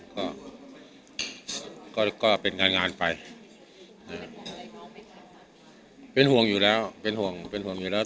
ก็เป็นการงานไปเป็นห่วงอยู่แล้วเป็นห่วงอยู่แล้ว